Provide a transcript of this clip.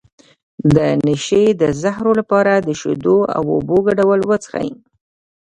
د نشې د زهرو لپاره د شیدو او اوبو ګډول وڅښئ